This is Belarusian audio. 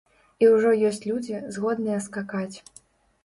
І ўжо ёсць людзі, згодныя скакаць.